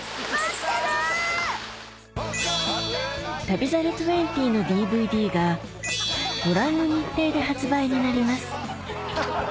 『旅猿２０』のＤＶＤがご覧の日程で発売になります